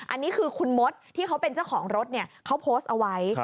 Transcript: อันนี้คือคุณมดที่เขาเป็นเจ้าของรถเขาโพสต์เอาไว้